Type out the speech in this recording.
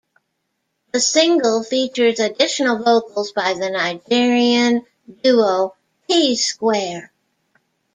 The single features additional vocals by the Nigerian duo P-Square.